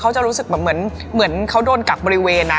เขาจะรู้สึกแบบเหมือนเขาโดนกักบริเวณ